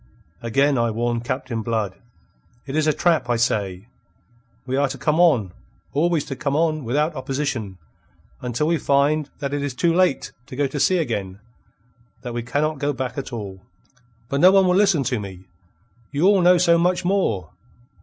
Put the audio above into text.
Again I warn Captain Blood. It is a trap, I say. We are to come on; always to come on, without opposition, until we find that it is too late to go to sea again, that we cannot go back at all. But no one will listen to me. You all know so much more.